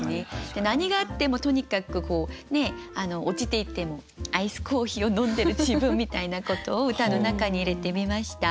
何があってもとにかくこう落ちていってもアイスコーヒーを飲んでる自分みたいなことを歌の中に入れてみました。